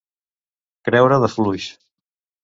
Creure de fluix.